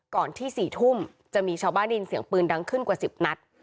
ที่๔ทุ่มจะมีชาวบ้านได้ยินเสียงปืนดังขึ้นกว่า๑๐นัด